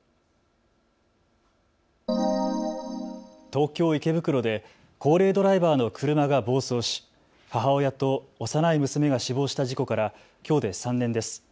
東京池袋で高齢ドライバーの車が暴走し母親と幼い娘が死亡した事故からきょうで３年です。